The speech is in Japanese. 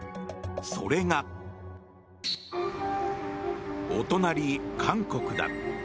それが、お隣、韓国だ。